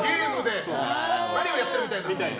「マリオ」やってるみたいな。